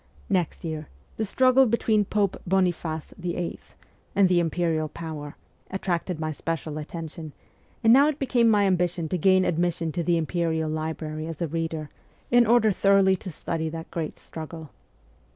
Next year the struggle between Pope Boniface VIII, and the Imperial power attracted my special attention, and now it became my ambition to gain admission to the Imperial library as a reader, in order thoroughly to study that great struggle.